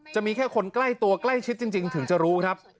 จะมีแค่คนใกล้ตัวใกล้ชิดจริงถึงจะรู้ครับ